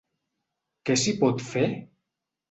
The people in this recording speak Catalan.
Què s’hi pot fer?